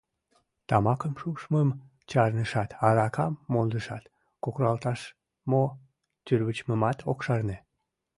Тамакым шупшмым чарнышат, аракам мондышат, кокыралташ мо, тӱрвычмымат ок шарне.